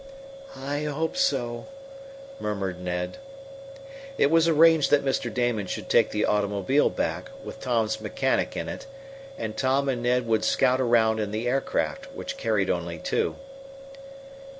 "I hope so," murmured Ned. It was arranged that Mr. Damon should take the automobile back, with Tom's mechanician in it, and Tom and Ned would scout around in the aircraft, which carried only two.